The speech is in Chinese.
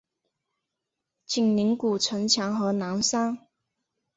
紧邻古城墙和南山。